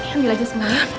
ambil aja semua ya